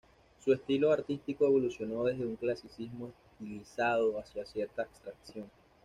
Su estilo artístico evolucionó desde un clasicismo estilizado hacia cierta abstracción.